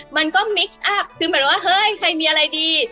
มันก็มิกซอัพคือเหมือนว่าเฮ้ยใครมีอะไรดี